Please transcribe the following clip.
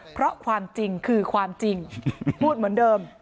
เพราะความจริงคือความจริงพูดเหมือนเดิม